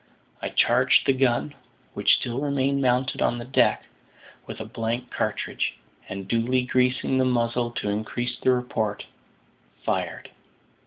I charged the gun (which still remained mounted on deck) with a blank cartridge, and duly greasing the muzzle to increase the report, fired.